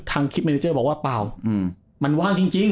คลิปเมนิเจอร์บอกว่าเปล่ามันว่างจริง